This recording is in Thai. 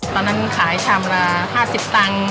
ตอนนั้นขายชามละ๕๐ตังค์